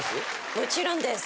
もちろんです！